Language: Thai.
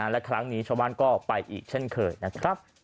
และครั้งนี้ชาวบ้านก็ไปอีกเช่นเคยนะครับ